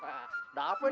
mau aja ada apaan sih